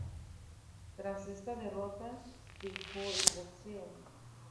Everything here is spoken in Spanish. Tras esta derrota, dejó el boxeo.